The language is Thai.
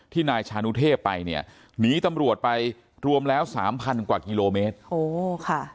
นายชานุเทพไปเนี่ยหนีตำรวจไปรวมแล้วสามพันกว่ากิโลเมตรโอ้ค่ะ